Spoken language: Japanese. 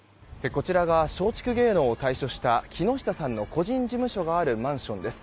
こちらが松竹芸能を退所した木下さんの個人事務所があるマンションです。